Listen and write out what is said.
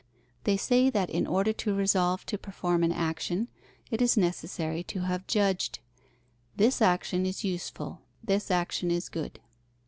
They say that in order to resolve to perform an action, it is necessary to have judged: "this action is useful, this action is good."